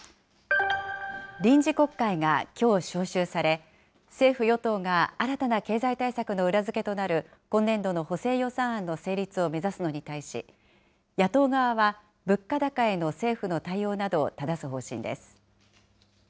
臨時国会がきょう召集され、政府・与党が新たな経済対策の裏付けとなる今年度の補正予算案の成立を目指すのに対し、野党側は物価高への政府の対応などをただす方針です。